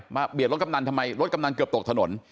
เบียดรถกำนันทำไมรถกำนันเกือบตกถนน